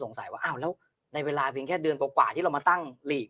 ว่าอ้าวแล้วในเวลาเพียงแค่เดือนกว่าที่เรามาตั้งหลีก